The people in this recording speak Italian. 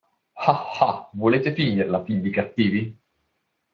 Ah, ah, volete finirla, figli cattivi?